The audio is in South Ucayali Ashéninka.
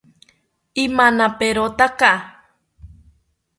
Imanaperotaka